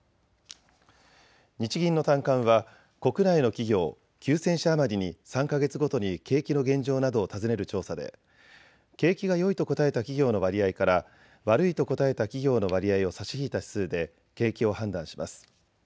日銀の短観は国内の企業９０００社余りに３か月ごとに景気の現状などを尋ねる調査で景気がよいと答えた企業の割合から悪いと答えた企業の割合を差し引いた指数で景気を判断します。